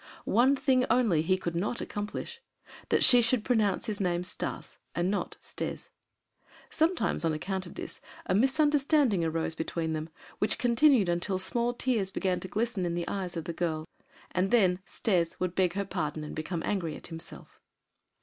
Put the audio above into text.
One thing only he could not accomplish, that she should pronounce his name Stas, and not "Stes." Sometimes, on account of this, a misunderstanding arose between them, which continued until small tears began to glisten in the eyes of the girl. Then "Stes" would beg her pardon and became angry at himself.